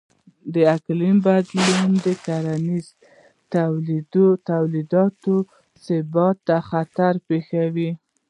د اقلیم بدلون د کرنیزو تولیداتو ثبات ته خطر پېښوي.